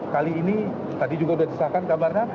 kali ini tadi juga sudah disahkan kabarnya